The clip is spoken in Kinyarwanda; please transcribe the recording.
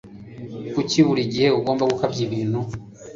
Kuki buri gihe ugomba gukabya ibintu?